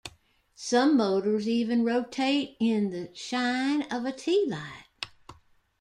Some motors even rotate in the shine of a tealight.